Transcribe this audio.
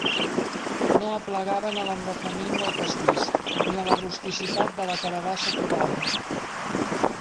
No aplegaven a l'embafament del pastís, ni a la rusticitat de la carabassa torrada.